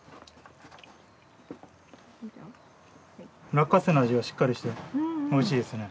落花生の味がしっかりしておいしいですね。